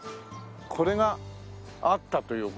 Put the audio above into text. これがあったという。